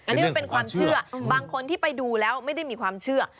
อันนี้มันเป็นความเชื่อบางคนที่ไปดูแล้วไม่ได้มีความเชื่อ